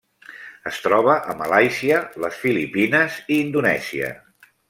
Es troba a Malàisia, les Filipines i Indonèsia.